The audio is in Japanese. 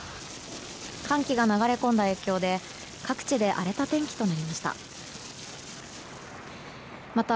寒気が流れ込んだ影響で各地で荒れた天気となりました。